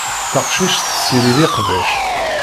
Taqcict tessirid iqbac.